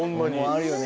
あるよね。